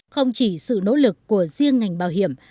không chỉ sự nỗ lực của riêng ngành bảo hiểm